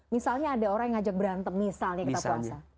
misalnya ada orang yang ngajak berantem misalnya kita puasa